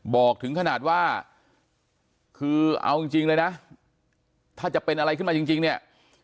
บอกถึงขนาดว่าคือเอาจริงเลยนะถ้าจะเป็นอะไรขึ้นมาจริงเนี่ย